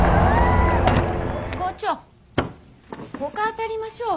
校長ほか当たりましょう。